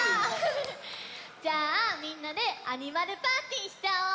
じゃあみんなでアニマルパーティーしちゃおう！